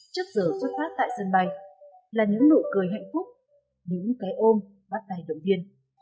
chắc giờ xuất phát tại sân bay là những nụ cười hạnh phúc những cái ôm bắt tay động viên